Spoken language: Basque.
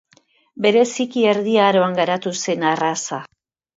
Bereziki erdi aroan garatu zen arraza.